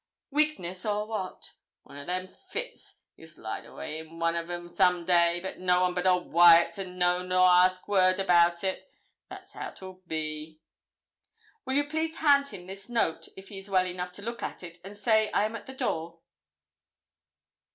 'Weakness, or what?' 'One o' them fits. He'll slide awa' in one o' them some day, and no one but old Wyat to know nor ask word about it; that's how 'twill be.' 'Will you please hand him this note, if he is well enough to look at it, and say I am at the door?'